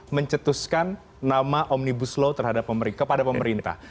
mencetuskan nama omnibus law kepada pemerintah